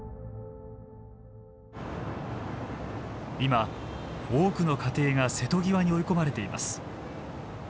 今多くの家庭が瀬戸際に追い込まれています。